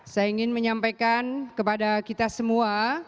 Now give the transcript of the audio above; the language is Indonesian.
saya ingin menyampaikan kepada kita semua